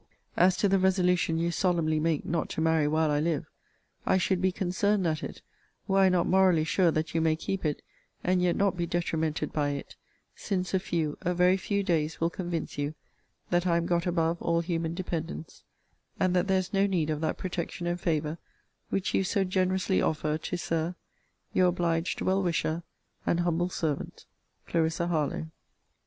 As to the resolution you solemnly make not to marry while I live, I should be concerned at it, were I not morally sure that you may keep it, and yet not be detrimented by it: since a few, a very few days, will convince you, that I am got above all human dependence; and that there is no need of that protection and favour, which you so generously offer to, Sir, Your obliged well wisher, and humble servant, CL. HARLOWE.